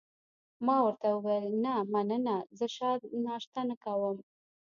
ما ورته وویل: نه، مننه، زه ناشته نه کوم.